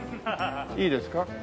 いいですか？